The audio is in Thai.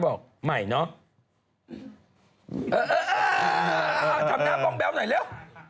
เอ่อเป็นอะไรกี๊